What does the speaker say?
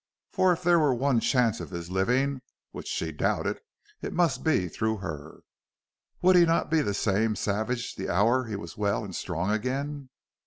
For if there were one chance of his living, which she doubted, it must be through her. Would he not be the same savage the hour he was well and strong again?